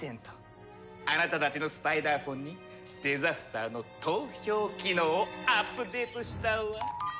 あなたたちのスパイダーフォンにデザスターの投票機能をアップデートしたわ。